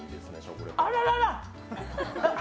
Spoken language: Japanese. あららら！